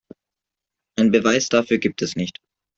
Einen Beweis dafür gibt es nicht.